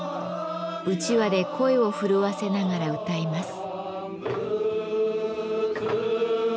うちわで声を震わせながら歌います。